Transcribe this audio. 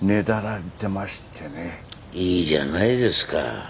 いいじゃないですか。